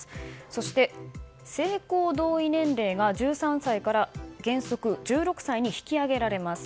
そして、性交同意年齢が１３歳から原則１６歳に引き上げられます。